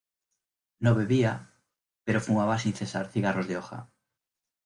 No bebía, pero fumaba sin cesar cigarros de hoja.